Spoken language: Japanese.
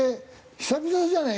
久々じゃねえ？